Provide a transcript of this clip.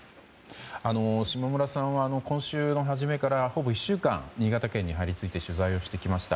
下村さんは今週の初めからほぼ１週間新潟県に張り付いて取材をしてきました。